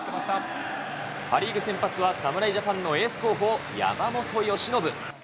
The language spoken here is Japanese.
パ・リーグ先発は侍ジャパンのエース候補、山本由伸。